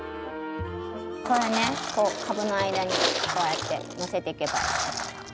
これねこう株の間にこうやってのせていけば。